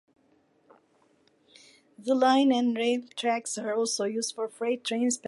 The line and rail tracks are also used for freight trains passing through.